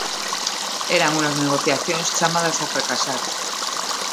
Eran unhas negociacións chamadas a fracasar.